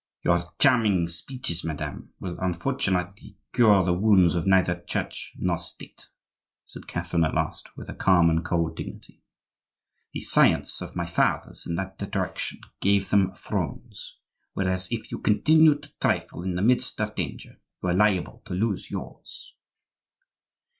"Your charming speeches, madame, will unfortunately cure the wounds of neither Church nor State," said Catherine at last, with her calm and cold dignity. "The science of my fathers in that direction gave them thrones; whereas if you continue to trifle in the midst of danger you are liable to lose yours."